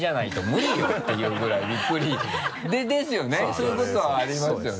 そういうことはありますよね。